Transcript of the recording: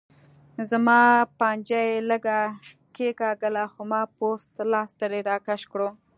زما پنجه یې لږه کېګاږله خو ما پوست لاس ترې راکش کړو.